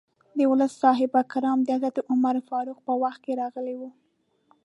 دولس صحابه کرام د حضرت عمر فاروق په وخت کې راغلي وو.